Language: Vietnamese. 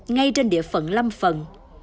ngay trên địa phận lâm phần